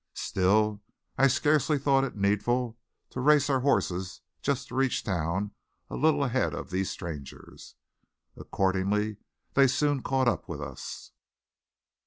Still, I scarcely thought it needful to race our horses just to reach town a little ahead of these strangers. Accordingly, they soon caught up with us.